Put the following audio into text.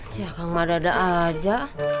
ceedoh gak ada ada aja